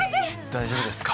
大丈夫ですか？